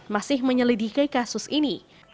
masih menyelidiki kasus ini